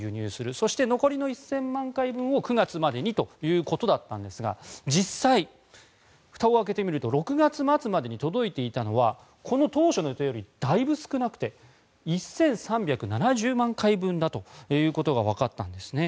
そして、残りの１０００万回分を９月までにということだったんですが実際、ふたを開けてみると６月末までに届いていたのはこの当初の予定よりだいぶ少なくて１３７０万回分だということがわかったんですね。